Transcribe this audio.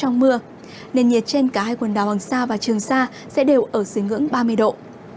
nền nhiệt trên cả hai quần đào hoàng sa và trường sa sẽ đều ở dưới ngưỡng ba mươi độ